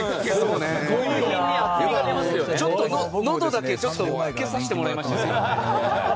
のどだけちょっとつけさせてもらいましたけど。